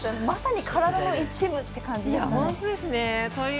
まさに体の一部って感じでした。